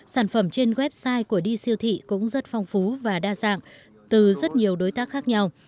sản phẩm trên website của d siêu thị cũng rất phong phú và đa dạng từ rất nhiều đối tác khác nhau